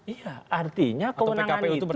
iya artinya keunangan itu